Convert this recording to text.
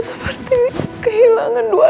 seperti kehilangan dua